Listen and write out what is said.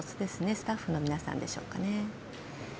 スタッフの皆さんでしょうかね。